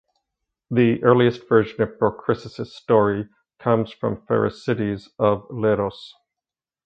The earliest version of Procris' story comes from Pherecydes of Leros.